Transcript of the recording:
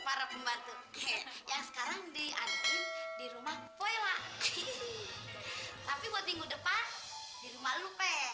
para pembantu yang sekarang diadukin di rumah poela tapi buat minggu depan di rumah lu peh